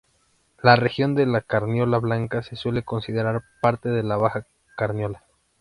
La región de la Carniola Blanca se suele considerar parte de la Baja Carniola.